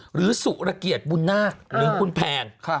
หรือสุระเกียจบุญนาคหรือบุญแพง